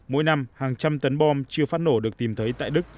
mỗi năm hàng trăm tấn bom chưa phát nổ được tìm thấy tại đức